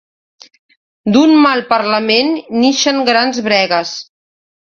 D'un mal parlament n'ixen grans bregues.